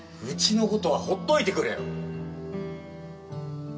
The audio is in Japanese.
うちのことは放っておいてくれよ！